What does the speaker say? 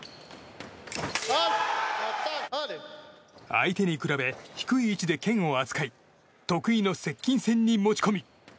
相手に比べ、低い位置で剣を扱い得意の接近戦に持ち込み。